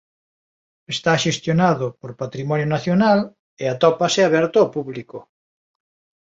Está xestionado por Patrimonio Nacional e atópase aberto ao público.